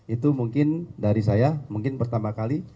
itu mungkin dari saya mungkin pertama kali